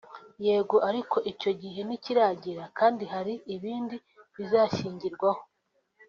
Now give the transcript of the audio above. Yego ariko icyo gihe ntikiragera kandi hari ibindi bizashingirwaho